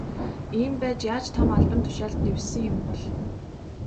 Ийм байж яаж том албан тушаалд дэвшсэн юм бол.